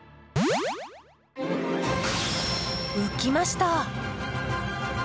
浮きました！